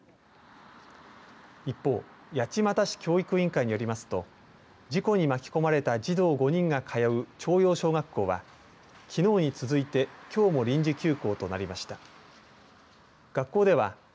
一方、八街市教育委員会によりますと事故に巻き込まれた児童５人が通う朝陽小学校はきのうに続いてきょうも臨時休校となりました。